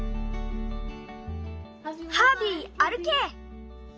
ハービーあるけ！